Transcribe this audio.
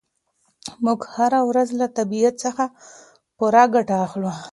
موږ هره ورځ له طبیعت څخه پوره ګټه اخلو.